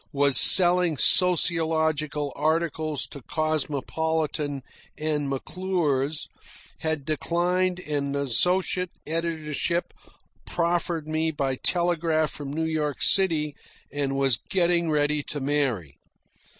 was selling sociological articles to "Cosmopolitan" and "McClure's," had declined an associate editorship proffered me by telegraph from New York City, and was getting ready to marry.